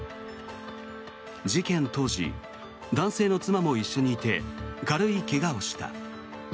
事件当時、男性の妻も一緒にいて軽い怪我をした。